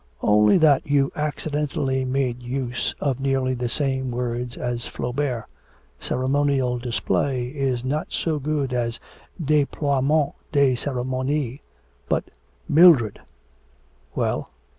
'Only that you accidentally made use of nearly the same words as Flaubert. "Ceremonial display" is not so good as deploiement de ceremonie, but ' 'Mildred.' 'Well.'